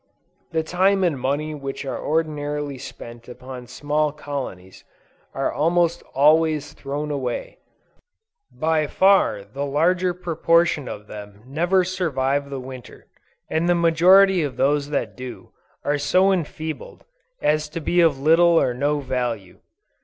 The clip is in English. The time and money which are ordinarily spent upon small colonies, are almost always thrown away; by far the larger portion of them never survive the Winter, and the majority of those that do, are so enfeebled, as to be of little or no value.